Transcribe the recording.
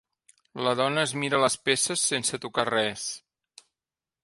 La dona es mira les peces sense tocar res.